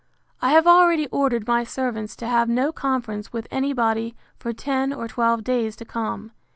I have already ordered my servants to have no conference with any body for ten or twelve days to come.